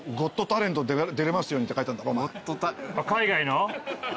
海外の？